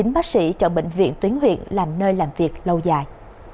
ba mươi chín bác sĩ chọn bệnh viện tuyến huyện làm nơi làm việc lâu dài